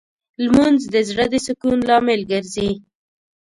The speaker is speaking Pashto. لمونځ د زړه د سکون لامل ګرځي